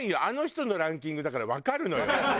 あの人のランキングだからわかるのよ。